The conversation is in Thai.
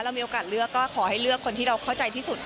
มีโอกาสเลือกก็ขอให้เลือกคนที่เราเข้าใจที่สุด